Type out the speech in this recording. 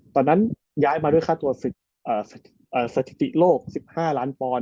ตอนนั้นย้ายมาด้วยค่าตัวสถิติโลก๑๕ล้านปอนด